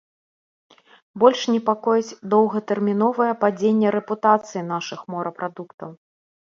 Больш непакоіць доўгатэрміновае падзенне рэпутацыі нашых морапрадуктаў.